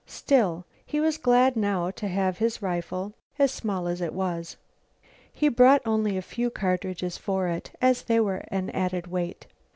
Still, he was glad now to have his rifle, small as it was. He had brought only a few cartridges for it, as they were an added weight.